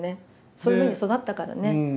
そういうふうに育ったからね。